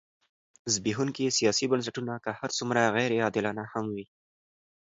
زبېښونکي سیاسي بنسټونه که هر څومره غیر عادلانه هم وي.